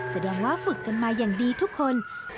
แสดงว่าฝึกกันมาอย่างดีทุกคน